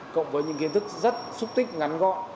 cộng với những kiến thức rất xúc tích ngắn gọn